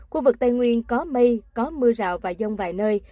khu vực tây nguyên có mây có mưa rào và rông vài nơi